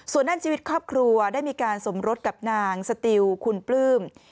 ส่วนด้านชีวิตครอบครัวได้มีการสมรสกับนางสติวคุณปลื้ม